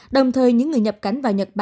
đồng thời những người nhập cảnh